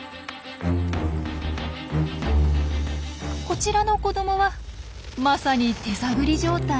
こちらの子どもはまさに手探り状態。